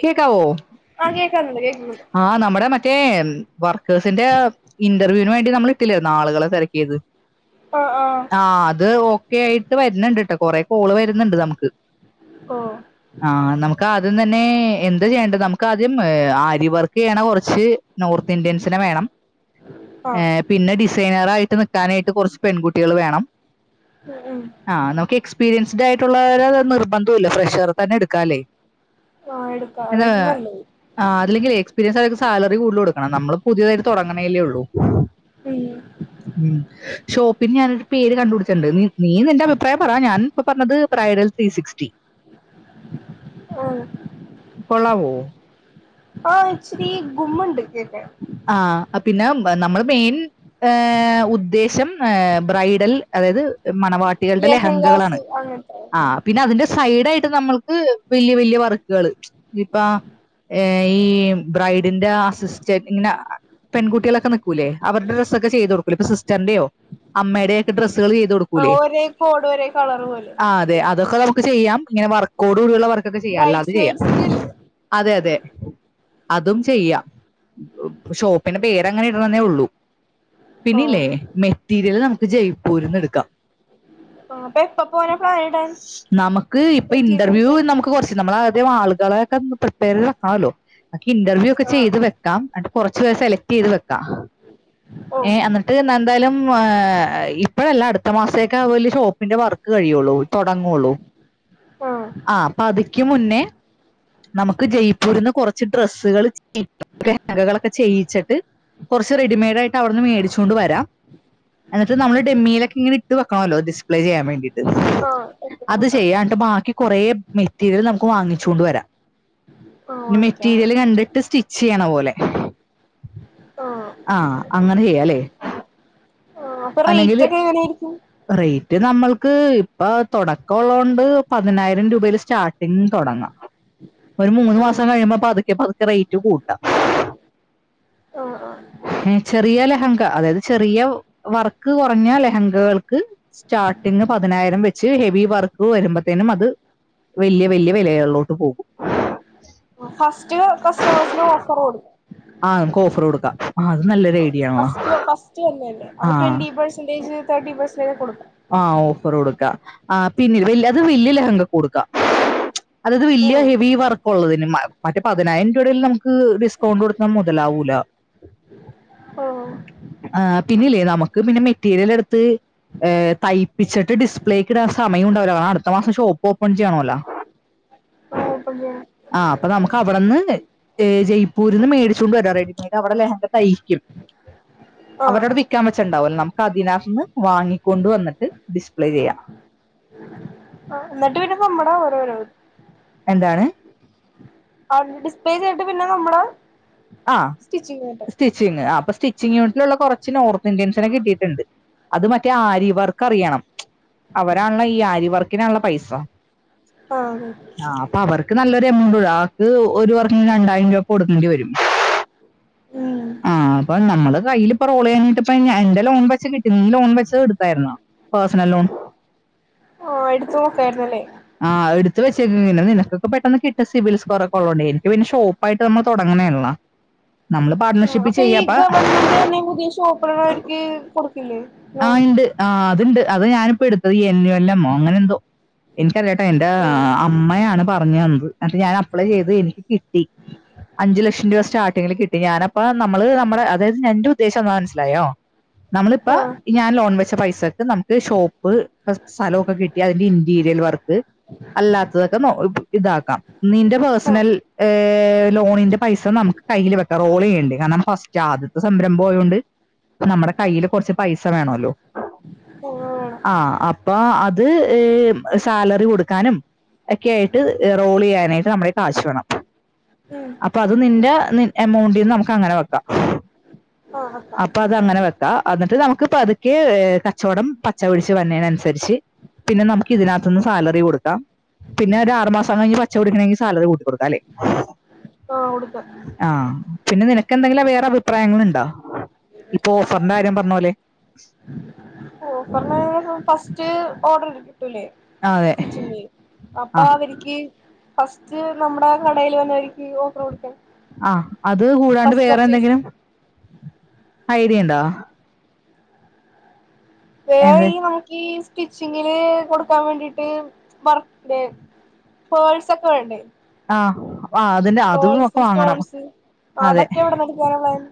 കേക്കാവോ ആ കേക്കാംകേക്ക് ന്നുണ്ട് ആഹ നമ്മുടെ മറ്റേ വർക്കേഴ്സിന്റെ ഇന്റർവ്യൂന് വേണ്ടി നമ്മൾ ഇട്ടില്ലായിരുനോ ആളുകളെ സെല യത് ആഹ് ആഹ് ആ അത് ഓക്കെ ആയിട്ട് വരുന്നുണ്ട് കേട്ടോ കൊറെ കോള് വരുന്നുണ്ട് നമുക്ക് ഓ ആ നമുക്ക് ആദ്യം തന്നെ എന്ത് ചെയ്യേണ്ടത് നമുക്ക് ആദ്യം ഇവർക്ക് ചെയ്യണ കുറച്ച്നോർത്ത് ഇന്ത്യൻസിനെ വേണം ഏ ആഹ് പിന്നെ ഡിസൈനറായിട്ട് നിക്കാനായിട്ട് കുറച്ച് പെൺകുട്ടികൾ വേണം ഉം ഉം ആ നമുക്ക് എക്സ് എക്സ്പീരിയൻസ് ഡ് ആയിട്ടുള്ള നിർബന്ധമില്ല ഫ്രഷർ തന്നെ എടുക്കാല്ലേ ആഹ് എടുക്കാം അതായിരിക്കും നല്ലത് അല്ലെങ്കിൽ എക്സ്പീരിയൻസ് അവർക്ക് സാലറി കൂടുതലൽ കൊടുക്കണം നമ്മള് പുതിയതായിട്ട് തുടങ്ങണേല്ലേ ഉള്ളൂ ഉം ഉം ഷോപ്പിന് ഞാനൊരു പേര് കണ്ട്പിടിച്ചട്ടുണ്ട് നീ നി എന്റെ അഭിപ്രായം പറയാ ഞാൻിപ്പ പറഞ്ഞത് ബ്രൈഡൽത്രീ സിക്സ്റ്റി ആ കൊള്ളാവോ? ആ ആച്വലി ഗുമണ്ട് കേക്കാൻ ആ പിന്നെ നമ്മള് മെയിൻ ഏഹ ഉദ്ദേശം ബ്രൈഡൽ അതായത് മണവാട്ടികളുടെ ലെഹങ്കാസ് ലഹങ്കകളാണ് അങ്ങനത്തെ ആഹ പിന്നെ അതിന്റെ സൈഡ ആയിട്ട് നമ്മൾക്ക് വല്യ വല്യ വർക്കുകള് ഇപ്പ ഈ ബ്രൈഡിന്റെ ആസിസ്റ്റ ഇങ്ങനെ പെൺകുട്ടികളൊക്കെ നൽക്കൂലേ അവരുടെ ഡ്രെസൊക്കെ ചെയ്തു കൊടുക്കൂല്ലെ ഇപ്പൊ സിസ്റ്ററിന്റെയോ അമ്മയുടെക്കെ ഡ്രെസ്സുകൾ ചെയ്ത് ആഹ് കൊടുക്കൂല്ലേ ഒരേ കോഡ് ഒരേ കളറ് പോലെ ആ അതെ അതൊക്കെ ന ചെയ്യാം ഇങ്ങനെ വർക്കോട് കൂടിയുള്ള വർക്ക്ക്കെ ചെയ്യാാം അല്ലാതെ ബ്രൈഡ്സ് ചെയ്യാം മെയ്ഡ്സിന്റെ അല്ലേ അതെ അതെ അതും ചെയ്യാം ഷോപ്പിന്റെ പേര്ങ്ങനെ ഇടണെന്നേ ഉള്ളൂ ഓഹ് പിന്നെല്ലേ മെറ്റീരിയല് നമുക്ക് ജൈപ്പുരിൽ നിന്ന് എടുക്കാം ആഹ് അപ്പൊ എപ്പ പോവാനാ പ്ലാൻ ഇടാൻ നമക്ക് ഇപ്പൊ മെറ്റീരിയൽ ഇന്റർവ്യൂ എടുക്കാൻ നമുക്ക് കുറച്ച് നമ്മള ആളുകളെക്കെ പ്രിപ്പയർ ചെയ്ത് വക്കണമല്ലോ നമുക്ക് ഇന്റർവ്യൂ ഒക്കെ ആഹ് ചെയ്ത് വെ ക്കാം എന്നിട്ട് കുറച്ച് പേരെ സെലക്ട് ചെയ്ത് വെക്കാം ഏ ഓഹ് അന്ന ട്ട് അ എന്തായാലും [unintelligible] ഇപ്പോഴല്ല അടുത്ത മാസമേക്കെ അവല് ഷോപ്പിന്റെ വർക്ക് കഴിയുള്ളൂ തുടങ്ങുവുള്ളൂ ആഹ് ആ പാതി മുന്നേ നമുക്ക് ജയപ്പൂരിൽ നിന്ന് കുറച്ച് ഡ്രസ്സുകൾ ലഹങ്കകളൊക്കെ ചെയ്യിച്ചിട്ട് കുറച്ച് റെഡിമെയ്ഡ് ആയിട്ട് അവിടുന്ന് മേടിച്ചു കൊണ്ട് വരാം എന്നിട്ട് നമ്മള് ഡമ്മയിലൊക്കെ ഇങ്ങനെ ഇട്ട് വെണമല്ലോ ഡിസ്പ്ലേ ചെയ്യാൻ വേണ്ടിട്ട് ആഹ് അത് ചെയ്യാട്ട് ബാക്കി കുറേ മെറ്റീരിയൽ നമുക്ക് വാങ്ങിച്ച് കൊണ്ട് വരാം ആഹ് പിന്നെ വാങ്ങിക്കാം മെറ്റീരിയൽ കണ്ടിട്ട് സ്റ്റി ച്ച് ചെയ്യണ പോലെ ആഹ് ആഹ അങ്ങനെ ചെയ്യല്ലേ ആ അപ്പൊ റേറ്റ് ഒക്കെ എങ്ങനെയായിരിക്കും റേറ്റ് നമ്മൾക്ക് ഇപ്പ തുടക്കമ ഉള്ളോണ്ട് പതിനായിരം രൂപയിൽ സ്റ്റാർട്ടിങ്ങ് തുടങ്ങാം ഒരു മൂന്ന് ആഹ് മാസം കഴിയുമ്പ പതുക്കെ പതുക്കെ റൈ ആഹ് ആഹ് ചെറ അതായത് ചെറിയ വർക്ക് കുറഞ്ഞ ലഹങ്കകൾക്ക് സ്റ്റാർട്ടിങ് പതിനായിരം വെച്ച് ഹെവി വർക്ക് വരുമ്പോത്തേനും അത് വലിയ വലിയ വിലകളിലോട്ട് പോകും ഫസ്റ്റ് കസ്റ്റമേഴ്സിന് ഓഫർ കൊടുക്കും ആഹ് നമുക്ക് ഓഫർ കൊടുക്കാം ആ അത് നല്ലൊരു ഐഡിയ ആണല്ലോ ഫസ്റ്റ് തന്നെയല്ലേ അപ്പ ആ ട്വന്റി പെർസന്റേജ് തേർട്ടി പെസന്റജ കൊടുക്കാം. ആഹ ഓഫർ കൊടുക്ക. ആ പിന്നെ വല് അത് വല്യ ലഹങ്ക കൊടുക്കാം അതത് വലിയ ഉം ഹെവി വർക്ക് ഉള്ളതിന് മറ്റേ പതിനായിരം രൂപയുടെൽ നമുക്ക് ഡിസ്കൗണ്ട് കൊടുത്താ മുതലാവൂല ഓ ആ പിന്നില്ലേ നമുക്ക് പിന്നെ മെറ്റീരിയൽ എടുത്ത് ഏഹ തയ്പ്പിച്ചിട്ടു ഡിസ്പ്ലേക്ക് ഇടാൻ സമയം ഉണ്ടാവില്ല. കാരണം അടുത്ത മാസം ഷോപ്പ് ഓപ്പൺ ചെയ്യണല്ലോ [unintelligible] ആഹ് അപ്പൊ നമക്ക് അവിടെന്ന്ഏ ജയ്പൂരിന്ന് മേടിച്ചുകൊണ്ട് വരാ [unintelligible] അവിടെ ലഹങ്കാ തയ്ക്കും ആഹ് അവരവിടെ വിൽക്കാൻ വച്ചണ്ടാവല്ലോ നമുക്ക് അതിനകത്ത്ന്ന് വാങ്ങിക്കൊണ്ട് വന്നിട്ട് അത് ഡിസ്പ്ലേ ചെയ്യാം ആ നട്ട് [unintelligible] [unintelligible] എന്താണ് ആ ഡിസ്പ്ലേ ചെയ്തിട്ട് പിന്നെ നമ്മൽ ആഹ് സ്റ്റിച്ചിങ് ആ അപ്പൊ സ്റ്റിച്ചിങ്ങ് യൂണിറ്റിലുള്ള കുറച്ച് നോർത്ത് ഇന്ത്യൻസിനെ കിട്ടിയിട്ടുണ്ട് അത് മറ്റേ ആര്യവർക്ക് അറിയണം അവരാണുള്ള ഈ ആര്യവർക്കിനാണല്ലോപൈസ ആ ആ അപ്പൊ അവർക്ക് നല്ലൊരു എമൗണ്ട് [unintelligible] അത് ഒരുവർക്കിന് രണ്ടായിരം രൂപ ഒക്കെ കൊടുക്കേണ്ടി വരും ഉം ആഹ അപ്പൊ നമ്മള് കയ്യിയില് [unintelligible] എന്റെ ലോൺ വെച്ച് കിട്ടി നീ ലോൺ വെച്ച് എടുത്തായിരുന്നോ പേഴസണൽ ലോൺ ആ എടുത്തു നോക്കായിരുന്നല്ലേ? ആഹ് എടുത്ത് വെച്ചേക്കെ നിനക്കൊക്കെ പെട്ടന്ന് കട്ടും സിബിൽ സ്കോർ ഒക്കെയുള്ളോണ്ടേ എനിക്ക് പിന്നെ ഷോപ്പ് അപ്പായിട്ട് നമ്മൾ തുടങ്ങണേള്ള നമ്മള് ആഹ് പാട്ണർഷിപ്പിൽ അപ്പൊ ഈ ചെയ്യപ്പ ഗവൺമെന്റ് തന്നെ പുതിയ ഷോപ്പ് അവർക്ക് പിന്നെ ആ ഇണ്ട് ആ അത് ഇണ്ട് അതാ ഞാനിപ്പോ എടുത്തത് ഈ എല്ലമ്മോ അങ്ങനെ എന്തോ എനിക്കറിയാട്ടോ എൻറെ ആഹ് അമ്മയാണ് പറഞ്ഞ് തന്നത് എന്നിട്ട് ഞാൻ അപ്ലൈ ചെയ്ത് എനിക്ക് കിട്ടി അഞ്ചു ലക്ഷം രൂപ സ്റ്റാർട്ടിങ്ങിൽ കിട്ടി. ഞാനപ്പ നമ്മള് നമ്മുടെ അതായത് ഞന്റെ ഉദ്ദേശംഎന്താന്ന് മനസിലായോ നമ്മളിപ്പ ഞാൻ ലോൺ വെച്ച പൈസ നമുക്ക് ഷോപ്പ് ഇപ്പോ സ്ഥലമൊക്കെ കിട്ടി അതിന്റെ ഇന്റീരിയർ വർക്ക് അല്ലാത്തതൊക്കെ ഇതാക്കാം നിന്റെ ആഹ് പേഴ്സണൽ ലോണിന്റെ പൈസ നമുക്ക് കയ്യിൽ വെക്ക റോൾ ചെയ്യേണ്ട കാരണം ഫസ്റ്റ് ആദ്യ സംരംഭം ആയോണ്ട് നമ്മുടെ കയ്യില് കൊ പൈസ വേണല്ലോ ആഹ് ആഹ് അപ്പൊ അത് സാലറി കൊടുക്കാനും ഒക്കെ ആയിട്ട് റോൾ ചെയ്യാനായിട്ട് നമ്മുടെകൈ കാശ് വേണം ഉം അപ്പൊ അത് നിന്റെ എമൗണ്ടീന്ന് നമുക്ക് അങ്ങനെ വെക്കാം ആഹ് അപ്പൊ അത് അങ്ങനെ വെക്കാം എന്നിട്ട് നമുക്ക് പതുക്കെ കച്ചവടം പച്ച പിടിച്ച് വരുന്നെനനുസരിച്ച് പിന്നെ നമുക്ക് ഇതിനകത്ത് നിന്ന് സാലറി കൊടുക്കാം. പിന്നെ ഒരു ആറ് മാസം കഴിഞ്ഞ് പച്ചടിക്കണെങ്കിൽ സാലറി കൂട്ടി കൊടുക്കാല്ലേ ആ കൊടുക്ക ആഹ് പിന്നെ നിനക്ക് എന്തെങ്കിലും വേറെ അഭിപ്രായങ്ങൾ ണ്ടോ ഇപ്പൊ ഓഫറിന്റെ കാര്യം പറഞ്ഞ പോലെ ഓഫർ [unintelligible] ഫസ്റ്റ് ഓർഡർ കിട്ടൂല്ലേ ആ അതെ സ്റ്റിച്ചിങ് ചെയ് അപ്പൊ ആ അവരിക്ക് ഫസ്റ്റ് നമ്മുടെ കടേൽ വന്ന ആഹ് അത് കൂടാണ്ട് ഫസ്റ്റ് വേറെ പർച്ചേസ് എന്തെങ്കിലും ഐഡിയ ഇണ്ടാ വേ ഈ നോക്കീസ് സ്റ്റിച്ചിങ്ങില് കൊടുക്കാൻ വേണ്ടിട്ട് [unintelligible] പേൾസ് ഒക്കെ വേണ്ടേ ആഹ് അതിന്റെ അതും ഒക്കെ പേൾസ് വാങ്ങണം സ്റ്റോൺസ് അതെ അതൊക്കെ എവിടെന്ന് എടുക്കാനാ പ്ലാൻ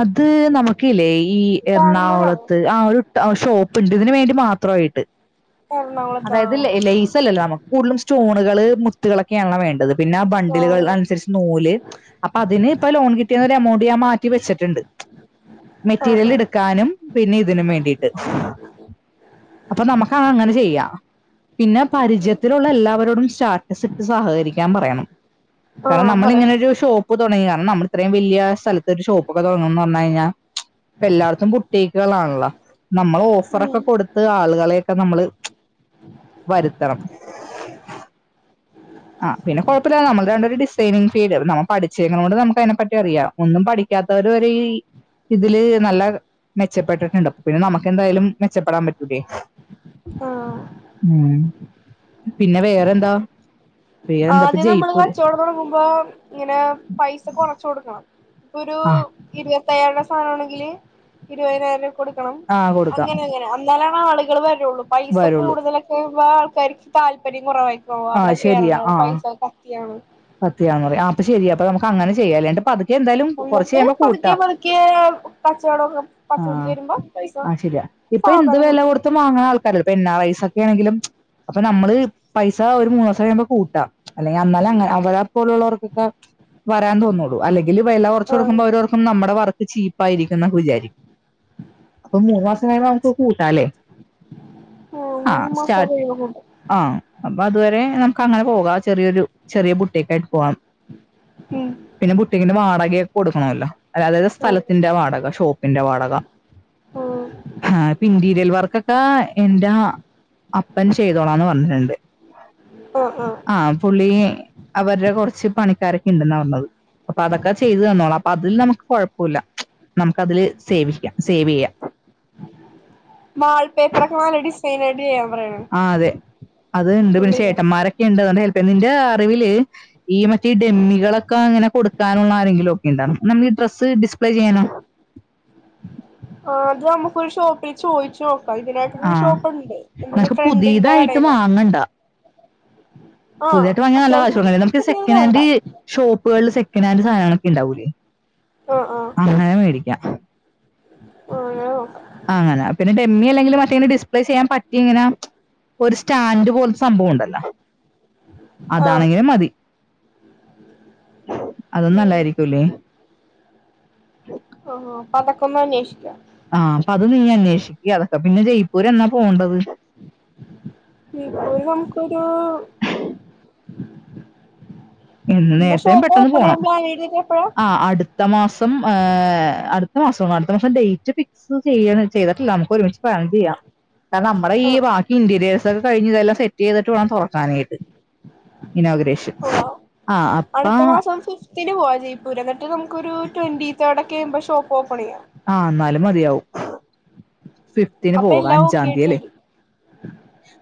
അത് നമുക്കില്ലേ ഈ ബാംഗ്ലൂരാണോ എറണാകുളത്ത് ആ ഒരു ട്ട ഷോപ്പ് ഉണ്ട് ഇതിന് വേണ്ടി മാത്രമായിട്ട് അതായത് എറണാകുളത്താണോ ലൈസ് അല്ലല്ലോ നമ കൂടുതലും സ്റ്റോണുകള് മുത്തുകളൊക്കെയ ആണല്ല വേണ്ടത് പിന്നെ ബണ്ടിലുകൾ ആഹ് അനുസരിച്ച് നൂല് അപ്പൊ അതിന് ഇപ്പൊ ലോൺ കിട്ടിയ ഒരു എമൗണ്ട് ഞാൻ മാറ്റി വെച്ചിട്ടുണ്ട് ആഹ് മെറ്റീരിയൽ ക്കാനും നും പിന്നെ ഇതിനും വേണ്ടിട്ട് അപ്പൊ നമുക്ക് അങ്ങനെ ചെയ്യാം പിന്നെ പരിചയത്തിലുള്ള എല്ലാവരോടും സ്റ്റാറ്റസ് ഇട്ട് സഹകരീ ക്ക്യാൻ പറയണം ആഹ് കാരണം ആഹ് പറയാ നമ്മളിങ്ങനെ ഒരു ഷോപ്പ് തുടങ്ങി കാരണം നമ്മള ഇത്രയും വല്യ സ്ഥല ത്തര് ഷോപ്പൊക്കെ തുടങ്ങന്നന്ന് പറഞ്ഞ് കഴിഞ്ഞാ ഇപ്പൊ എല്ലാടത്തും കുട്ടിക്കുകൾ ആണല്ലാ നമ്മൾ ഓഫറൊക്കെ ഉം കൊടു ആളുകളെയൊക്കെ നമ്മള് വരുത്തണം ആഹ് പിന്നെ കുഴപ്പല്ല നമ്മൾ രണ്ടു പേരും ഡിസൈനിങ് ഫീൽഡ് നമ്മ പഠിച്ചേക്കാണോണ്ട് നമുക്ക് അതിനെ പറ്റി അറിയാം ഒന്നും പഠിക്കാത്തവര്വരെ ഈ ഇതില് നല്ല മെച്ചപ്പെട്ടിട്ടുണ്ട് അപ്പൊ പിന്നെ നമുക്കെന്തായാലും മെച്ചപ്പെടാൻ പറ്റൂലേ ആഹ് ഉം പിന്നെ വേറെന്താ വേറെന്താ ഇപ്പൊ ആദ്യം നമ്മള് വ ജയ്പൂര് ചോ പ്പൊട്ങ്ങുമ്പോ ഇങ്ങനെ പൈസ കൊറച്ച് കൊടുക്കണം ഇപ്പൊ ഒരു ആ ഇരുപത്തയ്യായിരടെ സാധനമണെങ്കില് ഇരുപതിനായിരം രൂപക്ക് കൊടുക്കണം ആ കൊടുക്കാം അങ്ങനെ അങ്ങനെ എന്നാലാണ് ആളുകൾ വരുള്ളൂ പൈസ വരുള്ളൂ കൂടുതലൊക്കെ ആൾക്കാർക്ക് താല്പര്യം കുറവായി ഓഹ് ആ അവിടെ കേറണ്ട പൈസ കത്തിയാണ് പത്തിയാന്ന് പറയാ അപ്പ ശരി അപ്പ നമു അങ്ങനെ ചെയ്യാല്ലേ ങ്ങട് പത് എന്നിട്ട് പതുക്കെ പതുക്കെ കച്ചവടൊക്കെ ആ പച്ചപിടിച്ച് വരുമ്പോ പൈസ ആ ശരിയാ ഇപ്പൊ എന്ത് സാവധാനം വില കൂട്ടും കൊടുത്തും വാങ്ങൻ ആൾക്കാരുണ്ട് ഇപ്പ എൻ ആർ ഐ സ് ഒക്കെ ആണെങ്കിലും അപ്പൊ നമ്മള് പൈസ ഒരു മൂന്ന് ദിവസം കഴിയുമ്പോ കൂട്ടാം അല്ലെങ്കിൽ അന്നാലങ്ങ- [unintelligible] പോലുള്ളവർക്കൊക്കെ വരാൻ തോന്നൂള്ളൂ അല്ലെങ്കിൽ വെല കുറച് ആഹ് കൊടുക്കുമ്പോ അവരോർക്കും നമ്മടെ വർ ക്ക് ചീപ്പായിയിരിക്കൂന്ന് വിചാരിക്കും അപ്പൊ മൂന്ന് മാസം കഴിയുമ്പോ നമുക്ക് കൂട്ടാല്ലോ ഓഹ് മൂന്ന് മാസൊക്കെ കയ്യുമ്പം ആഹ് അപ്പൊ അതുവരെ നമുക്ക് അങ്ങനെ പോകാം ചെറിയൊരു ചെറിയ ബുട്ടിക്കായിട്ട് പോകാം ഉം പിന്നെ ബുട്ടീക്കിന്റെ വാടകയൊക്കെ കൊടുക്കണല്ലോ അതായതത് ആഹ് സ്ഥലത്തിന്റെ വാടക ഷോ പിന്റെ വാടക ആഹ് ആപ് ഇന്റീരിയൽ വർക്കൊക്കെ എന്റെ അപ്പൻ ചെയ്തോളാന്ന് പറഞ്ഞിട്ടുണ്ട് ആഹ് പുള്ളിയെ അവര്ടെ കുറച്ച് പണിക്കാരൊക്കെ ഉണ്ടെന്നാ പറഞ്ഞത് അപ്പൊ അതൊക്കെ ചെയ്ത് തന്നോളൂ അപ്പൊ അതില് നമുക്ക് കുഴപ്പൂല്ല നമുക്ക് അതില് സേവിക്കാം സേവ് ചെയ്യാം വാൾ പേപ്പറൊക്കെ നല്ല ഡിസൈനായിട്ട് ചെയ്യാൻ പറയണം ആഹ് അതെ അത്ണ്ട് പിന്നെ ഉള്ളില് ചേട്ടന്മാരൊക്കെ ഉണ്ട് ഹെൽപ് ചെയ്യാൻ നിന്റെ അറിവില് ഈ മറ്റേ ഈ ഡെമ്മികളൊക്കെ അങ്ങനെ കൊടുക്കാനുള്ള ആരെങ്കിലും ഒക്കെ ഉണ്ടാ നമ്മൾ ഈ ഡ്രസ്സ് ഡിസ്പ്ലേ ചെയ്യണ ആദ്യം നമുക്കൊരു ഷോപ്പില് ചോദിചോ പ്പൊ ആ ഇതിനായിട്ടരു ഷോപ്പുണ്ട് എന്റെ ഒരു നമുക്ക് ഫ്രണ്ടിന്റെ പുതിയതായിട്ട് കടയിയിലാണ് പുതിതായിട്ട് വാങ്ങ്യ നല്ല കാശ് അത്യാവശ്യം കൊടുക്കണം നമുക്ക് പുതിയത് വേണ്ട സെക്കനന്റ് ഷോപ്പുകളിൽ സെക്കനൻറ് സധനങ്ങളൊക്കെ ഉണ്ടാവൂലേ ആഹ് ആഹ് അങ്ങനെ മേടിക്കാം അങ്ങനെ നോക്കാം അങ്ങനെ ഡമ്മി അല്ലെങ്കിൽ മറ്റേ ഇങ്ങനെ ഡിസ്പ്ലേ ചെയ്യാൻ പറ്റിയ ഇങ്ങനെ ഒരു സ്റ്റാൻഡ് പോലത്തെ സംഭവം ഉണ്ടല്ലോ ആ അതാണെങ്കിലും മതി അതും ഉം നല്ലായിരിക്കൂല്ലേ ഓ അപ്പൊ അതൊക്കെയൊന്ന് അന്വേഷിക്കാം ആഹ് അപ്പൊ അത് നീ അന്വേഷിക്ക് അതൊക്കെ പിന്നെ ജയ്പൂര് എന്നാ പോവേണ്ടത് ജയിപ്പൂർ നമുക്കൊരു ഇന്ന് നേരത്തെ ഷോപ്പ് പെട്ടന്ന് ഓപ്പൺ പോണം ചെയ്യാൻ പ്ലാൻ ചെയ്തിട്ട് എപ്പഴാ ആഹ് അടുത്ത മാസം ഏഹ്‌ അടുത്ത മാസം അടുത്ത മാസം ഡേറ്റ് ഫിക് ഫിക്സ് ചെയ ചെയ്തിട്ടില്ല നമുക്ക് ഒരുമിച്ച് പ്ലാൻ ചെയ്യാം കാരണം നമ്മളെ ഈ ആ ബാക്കി ഇന്റീരിയഴ്സ് ഒകെ കഴിഞ്ഞ് ഇതെല്ലാം സെ ചെയ്തിട്ട് വേണം തുറക്കാനായിട്ട് ഇനോഗ്രേഷൻ. പോവാ ആഹ് അപ്പ അടുത്ത മാസം. ഫിഫ്റ്റിനെ പോകാൻ ജയ്പൂര് എന്നിട്ട് നമുക്കൊരു ടെൻറ്റിതേർഡ് ആകുമ്പോൾ ഷോപ്പ് ഓപ്പണിങ് ആഹ്‌ ന്നാലും മതിയാവും ഫിഫ്ത്തിന് അപ്പൊ പോവാ എല്ലാം ഓക്കെ അഞ്ചാതി ആയിട്ട് അല്ലേ? വരും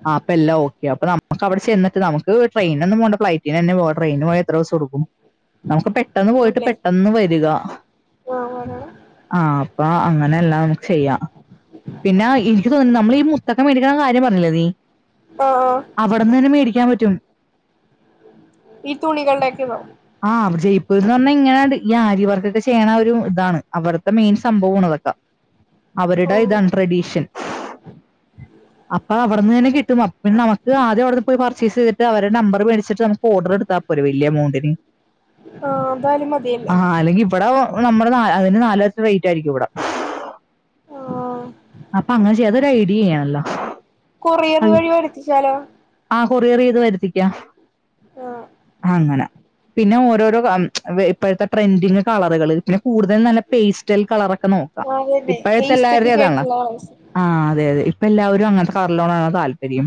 ആഹ്‌ അപ്പൊ എല്ലാ ഓക്ക അപ്പൊ നമുക്കവിടെ ചെന്നിട്ട് നമക്ക്ട്രെയിന് ഒന്നും പോണ്ട ഫ്ലൈറ്റിന് തന്ന പോവ ട്രെയിന് പോയ എത്ര ദിവസം എടുക്കും. നമുക്ക് പെട്ടെന്ന് പോയിട്ട് പെട്ടെന്ന് വരിക. ആഹ്‌ ആഹ അപ്പൊ അങ്ങനെ എല്ലാം ചെയ്യാം പിന്നെ എനിക്ക് തോന്നുന്നു നമ്മൾ ഈ മുതൊക്കെ മേടിക്ക്ണ കാര്യ പറഞ്ഞില്ലെ നീ ആഹ്‌ ആ അവിടെന്നന്നെ മേടിക്കാൻ പറ്റും. ഈ തുണികളടെക്കെണോ ആഹ് അവർ ജയിപ്പ ന്ന് പറഞ്ഞാ ഇങ്ങനെ ഈ ആര്യവർക്കൊക്കെ ചെയ്യണ ഒരു ഇതാണ് അവര്ടെ മെയിൻ സംഭവമാണ് ഇതൊക്കെ. ഓ അവരുടെ ഇതാണ് ട്രഡീഷൻ. അപ്പൊ അവിടെനെന്നെ കിട്ടും പിന്നെ നമുക്ക് ആദ്യ അവിട പോയി പർച്ചേഴ്സ് ചെയ്തി്ട്ട് അവരെ നമ്പർ മേടിച്ചിട്ട് നമക്ക് ഓർഡർ എടുത്ത. ഒരു വലിയ എ മൗണ്ടിന്. ആ അതായാലും മതി. ആഹ് അല്ലെങ്കി ഇവിടെ നമ്മുടെ ന അതിന്റെ നാലിരട്ടി റേറ്റ് ആയിരിക്കും ഇവിടെ. ആഹ് അപ്പൊ അങ്ങനെ ചെയ അതൊരു ഐഡിയ ആണല്ലോ? കൊറിയറ് വഴി വരുത്തിച്ചാലോ? ആ കൊറിയർ ചെയ്ത് വരുത്തിക്ക ആഹ് അങ്ങനെ. പിന്നെ ഓരോരോ ഇപ്പോഴത്തെ ട്രെൻഡിങ് കളറുകള് പിന്നെ കൂടുതൽ നല്ല പേസ്റ്റൽ കളറൊക്കെ നോക്ക. അതെന്നെ ഈ എയ്സ്തെറ്റിക് ആയിട്ടുള്ള കളേഴ്സ്. ആഹ് അതെ അതെ ഇപ്പ എല്ലാവരും അങ്ങനത്തെ കളറിനോടാണ് താല്പര്യം.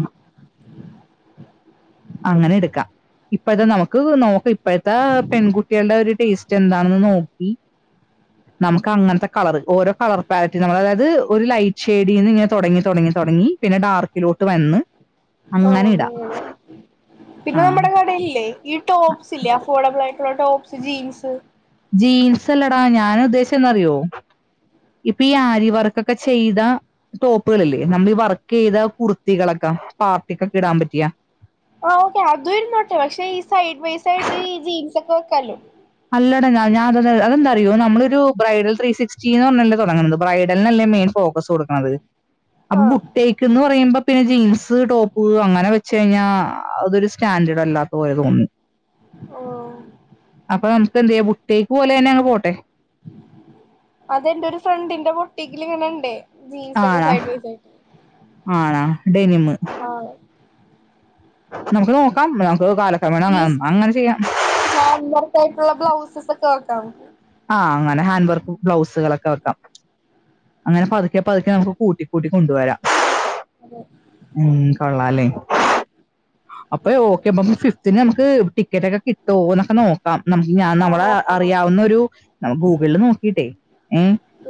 അങ്ങനെ എടുക്കാം ഇപ്പൊ ഇത് നമുക്ക് നോക്കാം. ഇപ്പോഴത്തെ പെൺകുട്ടികളുടെ ഒരു ടേസ്റ്റ് എന്താണെന്ന് നോക്കി. നമുക്ക് അങ്ങനത്തെ കളർ ഓരോ കളർ വാരറ്റി നമ്മൾ അതായത്. ഒരു ലൈറ്റ് ഷെയ്ഡിന്ന് ഇങ്ങനെ തുടങ്ങി തുടങ്ങി തുടങ്ങി പിന്നെ ഡാർക്കിലോട്ട് വന്ന്. ആഹ്‌ അങ്ങനെ ഇടാം വന്നങ്ങളെ പിന്നെ ആ നമ്മുടെ കടയില്ലേ ഈ ടോപ്സ് ഇല്ലേ അഫോർഡബിൾ ആയിട്ടുള്ള ടോപ്സ് ജീൻസ്. ജീൻസ് അല്ലടാ ഞാൻ ഉദ്ദേശിച്ചതെന്താന്നറിയോ? ഇപ്പൊ ഈ ആരി വർക്കൊക്കെ ചെയ്ത. ടോപ്പുകളില്ലേ നമ്മൾ ഈ വർക്ക് ചെയ്ത കുർത്തികളൊക്കെ പാർട്ടി കൊക്കെ ഇടാൻ പറ്റിയ. ആഹ ഓക്കെ അതും ഇരുന്നോട്ടെ പക്ഷെ ഈ സൈഡ് ബൈ സൈഡ് ഈ ജീൻസ് ഒക്കെ വെക്കാല്ലോ? അല്ലട ഞാന അത അതന്തന്നറിയോ നളൊരു ബ്രൈഡ ത്രീ സിക്സ്റ്റി എന്ന് പറഞ്ഞല്ലേ തുടങ്ങുന്നത് ബ്രൈഡലിനല്ലേ മെയിൻ ഫോക്കസ്. കൊടുക്കണത് ആഹ് ബുട്ടേക്ക് എന്ന് പറയുമ്പോ പിന്നെ ജീൻസ് ടോപ്പ് അങ്ങനെ വെച്ച് കഴിഞ്ഞാ അതൊരു സ്റ്റാൻഡേർഡ് അല്ലാത്ത പോലെ തോന്നും. ആഹ്‌ അപ്പൊ നമുക്ക് എന്ത് ചെയ്യ ബുട്ടിക്ക് പോലെ തന്നെ അങ് പോട്ടെ. അതെന്റെറ ഒരു ഫ്രണ്ടിന്റെ ബുട്ടിക്ക്ൽ ഇങ്ങനണ്ട്. ആണാ ആണാ ഡെനിമ. ആ നമുക്ക് നോക്കാം നമുക്ക് കാലക്രമേണ ഈ അങ്ങനെ ചെയ്യാം. ഹാൻഡ് വർക്കായിട്ടുള്ള ബ്ലൗസ്സസൊ കെ ണ്ടോ ആഹ് അങ്ങെനെ ഹാൻഡ് വർക്ക് ബ്ലൗസുകളൊക്കെ വെക്കാം. അങ്ങനെ പതുക്കെ പതുക്കെ നമുക്ക് കൂട്ടി കൂട്ടി കൊണ്ടുവരാം. അതെ. ഉം കൊള്ളാലേ? അപ്പ ഓക്കെ പ്പം ഫിഫ്ത്തിന് നമുക്ക് ടിക്കറ്റ് ഒക്കെ കിട്ടോ എന്നൊക്കെ നോ നമുക്ക് ഞാൻ ആഹ് നമ്മടെ നോക്കണം അറിയാവുന്ന ഒരു നമുക്ക് ഗൂഗിളിൽ നോക്കിട്ടേ ഏ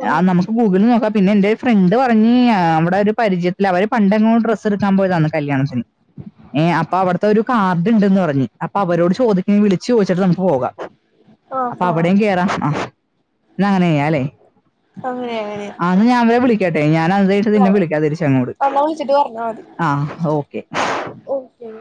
ആഹ് ആന്ന നമുക്ക് ഗൂഗി നോക്കാം പിന്നെ എന്റെ ഒരു ഫ്രണ്ട് പറഞ്ഞി നമ്മടെ ഒരു പരിചയത്തില്ൽ അവര് പണ്ട് എന്നോ ഡ്രസ് സ് എടുക്കാൻ പോയതാണ് കല്യാണത്തിന് ഏ അപ്പൊ അവിടുത്തെ ഒരു കാർഡ് ഉണ്ടന്ന് പറഞ്ഞഞ് അപ്പൊ അവരോട് ചോദിക്ക വിളിച്ചു ചോദിച്ചിട്ട് നമുക്ക് പോകാം ആഹ് അപ്പൊ പോവാം അവിടയും കേയറാം ആ എന്നാ അങ്ങനെ ചെയ്യാലേ അങ്ങനെ അങ്ങനെ അന്ന് ഞാൻ അവരെ വിളിക്കട്ടെ ഞാൻ [unintelligible] വിളിക്കാ തിരിച്ചു അങ്ങോട് വന്നാ വിളിച്ചിട്ട് പറഞ്ഞാ മതി ആ് ഓക്കെ ഓക്കെ